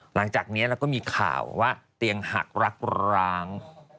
หลังจากนี้แล้วก็มีข่าวว่าเตียงหักรักร้าง